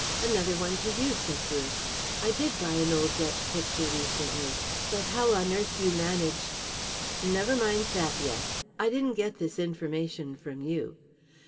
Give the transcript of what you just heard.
"Another one to you," said Bruce. "I did buy an old Dutch picture recently. But how on earth you managed " "Never mind that yet. I didn't get this information from you.